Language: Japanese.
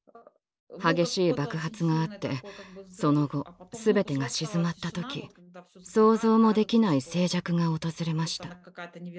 激しい爆発があってその後すべてが静まった時想像もできない静寂が訪れました。